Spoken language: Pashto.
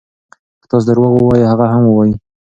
که تاسو درواغ ووایئ هغه هم وایي.